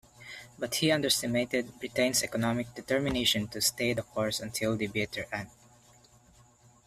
But he underestimated Britain's economic determination to stay the course until the bitter end.